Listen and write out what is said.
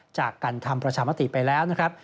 จากการทำประชามติไปแล้วนะครับ